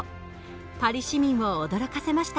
パリ市民を驚かせました。